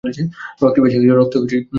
রক্তে ভেসে গেছে।